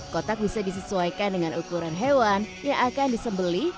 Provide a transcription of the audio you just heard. kotak bisa disesuaikan dengan ukuran hewan yang akan disembeli